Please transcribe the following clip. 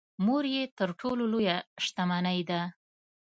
مور مې تر ټولو لويه شتمنی ده .